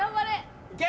いけ！